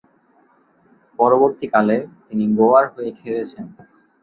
পরবর্তীকালে, তিনি গোয়ার হয়ে খেলেছেন।